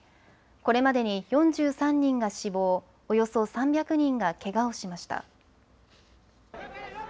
これまでに４３人が死亡、およそ３００人がけがをしました。